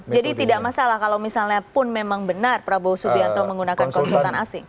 jadi tidak masalah kalau misalnya pun memang benar prabowo subianto menggunakan konsultan asing